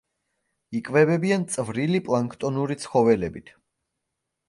იკვებებიან წვრილი პლანქტონური ცხოველებით.